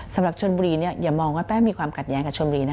สำหรับชนบุรีอย่ามองว่าแป้งมีความขัดแย้งกับชนบุรีนะ